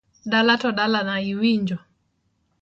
Dala to dalana iwinjo.